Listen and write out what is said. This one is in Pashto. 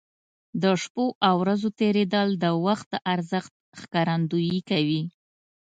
د شپو او ورځو تېرېدل د وخت د ارزښت ښکارندوي کوي.